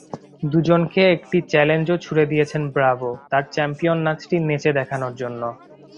দুজনকে একটি চ্যালেঞ্জও ছুড়ে দিয়েছেন ব্রাভো, তাঁর চ্যাম্পিয়ন নাচটি নেচে দেখানোর জন্য।